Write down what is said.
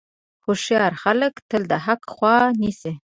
هوښیار خلک تل د حق خوا نیسي.